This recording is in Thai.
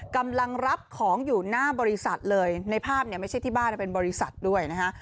กำลังรับของอยู่หน้าบริษัทเลยในภาพเนี่ยไม่ใช่ที่บ้านเป็นบริษัทด้วยนะฮะ